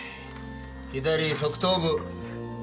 左側頭部。